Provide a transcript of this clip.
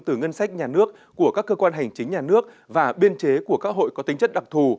từ ngân sách nhà nước của các cơ quan hành chính nhà nước và biên chế của các hội có tính chất đặc thù